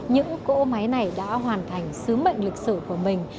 những cổ máy này đã hoàn thành sứ mệnh lịch sử của mình